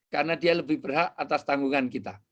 karena dia lebih berhak atas tanggungan kita